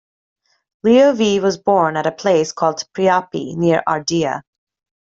Leo V was born at a place called Priapi, near Ardea.